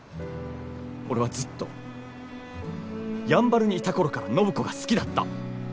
俺はずっとやんばるにいた頃から暢子が好きだった。